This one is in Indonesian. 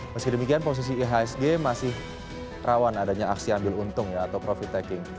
meski demikian posisi ihsg masih rawan adanya aksi ambil untung atau profit taking